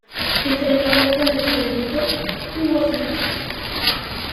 Entrenador con el que debutó: Hugo Sánchez